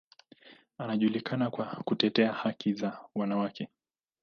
Anajulikana kwa kutetea haki za wanawake.